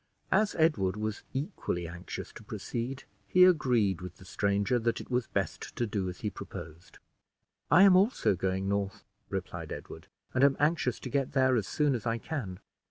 As Edward was equally anxious to proceed, he agreed with the stranger, that it was best to do as he proposed. "I am also going north," replied Edward, "and am anxious to get there as soon as I can."